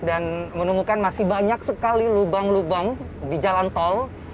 dan menemukan masih banyak sekali lubang lubang di jalan tol